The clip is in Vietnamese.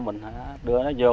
mình đưa nó vô